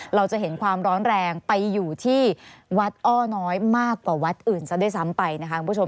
เราจะเห็นความร้อนแรงไปอยู่ที่วัดอ้อน้อยมากกว่าวัดอื่นซะด้วยซ้ำไปนะคะคุณผู้ชม